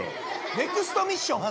ネクストミッション。